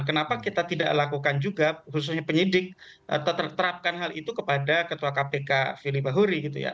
kenapa kita tidak lakukan juga khususnya penyidik atau terterapkan hal itu kepada ketua kpk fili bahuri gitu ya